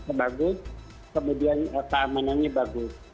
keamanannya bagus keamanannya bagus